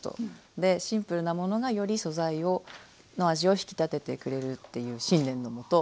シンプルなものがより素材の味を引き立ててくれるっていう信念のもと